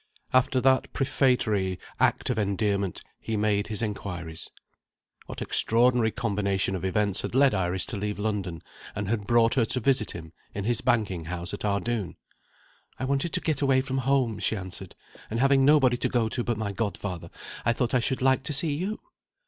After that prefatory act of endearment, he made his inquiries. What extraordinary combination of events had led Iris to leave London, and had brought her to visit him in his banking house at Ardoon? "I wanted to get away from home," she answered; "and having nobody to go to but my godfather, I thought I should like to see You."